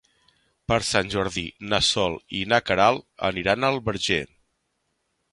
Per Sant Jordi na Sol i na Queralt aniran al Verger.